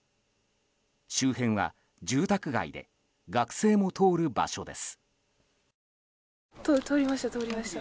周辺は住宅街で学生も通る場所です。